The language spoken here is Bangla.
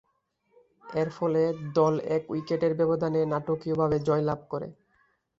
এরফলে দল এক উইকেটের ব্যবধানে নাটকীয়ভাবে জয়লাভ করে।